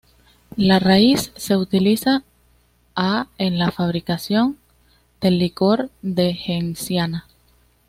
La raíz se utiliza a en la fabricación del licor de genciana.